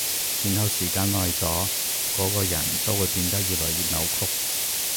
然後時間耐咗，嗰個人都會變得越來越扭曲